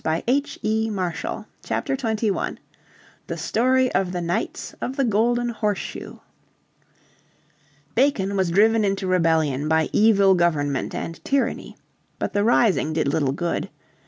__________ Chapter 21 The Story of the Knights of the Golden Horseshoe Bacon was driven into rebellion by evil government and tyranny. But the rising did little good.